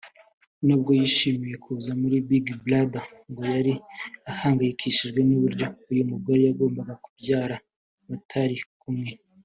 nubwo yishimiye kuza muri Big Brother ngo yari ahangayikishijwe n’uburyo uyu mugore yagombaga kubyara batari kumwe